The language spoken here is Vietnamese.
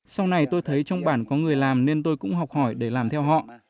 sau này tôi thấy trong bản có người làm nên tôi cũng học hỏi để làm theo họ